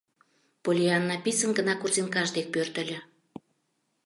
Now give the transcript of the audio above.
— Поллианна писын гына корзинкаж дек пӧртыльӧ.